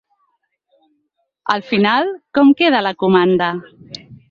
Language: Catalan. Al final com queda la comanda?